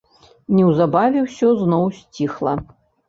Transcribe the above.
Неўзабаве ўсё зноў сціхла.